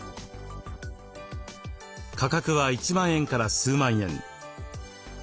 価格は１万円から数万円。